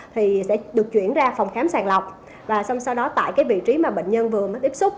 thì sẽ được chuyển ra phòng khám sàng lọc và sau đó tại vị trí mà bệnh nhân vừa tiếp xúc